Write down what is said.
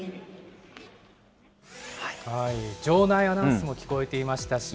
場内アナウンスも聞こえていましたし。